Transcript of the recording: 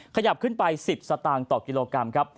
ขยับขึ้นไป๑๐สตางค์ต่อกิโลกรัมครับ